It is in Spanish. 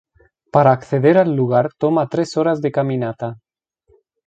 Para acceder al lugar toma tres horas de caminata.